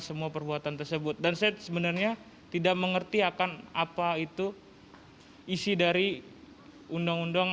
semua perbuatan tersebut dan saya sebenarnya tidak mengerti akan apa itu isi dari undang undang